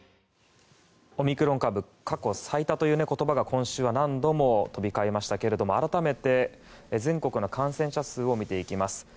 オミクロン株過去最多という言葉が今週は何度も飛び交いましたけれども改めて全国の感染者数を見ていきます。